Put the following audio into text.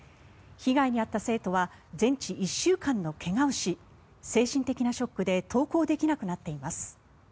被害に遭った生徒は全治１週間の怪我をし精神的なショックで登校できなくなっています。